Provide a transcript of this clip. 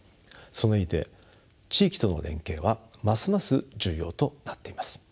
その意味で地域との連携はますます重要となっています。